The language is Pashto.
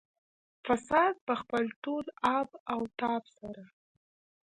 فساد په خپل ټول آب او تاب سره.